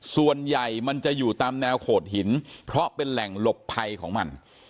ส่วนใหญ่มันจะอยู่ตามแนวโขดหินเพราะเป็นแหล่งหลบภัยของมัน